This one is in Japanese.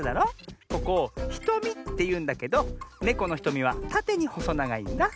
ここ「ひとみ」っていうんだけどネコのひとみはたてにほそながいんだ。